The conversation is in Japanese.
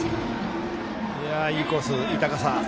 いいコース、いい高さ。